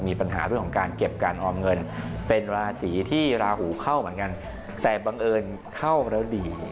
มีปัญหาเรื่องของการเก็บการออมเงินเป็นราศีที่ราหูเข้าเหมือนกันแต่บังเอิญเข้าแล้วดี